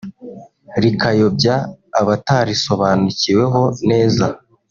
rikayobya abatarisobanukiweho neza